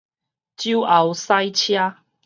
酒後駛車